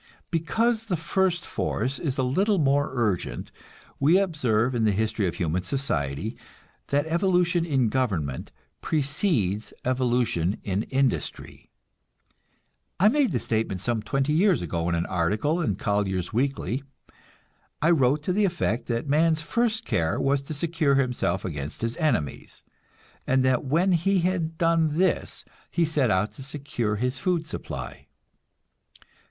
Because the first force is a little more urgent, we observe in the history of human society that evolution in government precedes evolution in industry. I made this statement some twenty years ago, in an article in "Collier's Weekly." I wrote to the effect that man's first care was to secure himself against his enemies, and that when he had done this he set out to secure his food supply.